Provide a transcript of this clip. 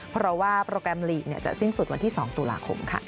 เพราะว่าโปรแกรมลีกจะสิ้นสุดวันที่๒ตุลาคมค่ะ